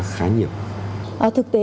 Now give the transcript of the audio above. khá nhiều thực tế